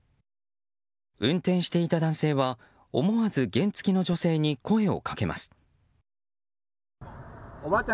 運転していた男性は思わず原付きの女性に声をかけます。